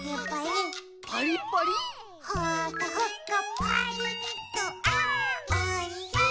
「ほかほかパリッとあーおいしい！」